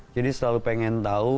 jadi selalu pengen tahu